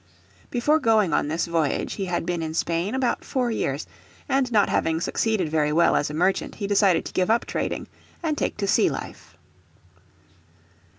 Before going on this voyage he had been in Spain about four years, and not having succeeded very well as a merchant he decided to give up trading and take to a sea life.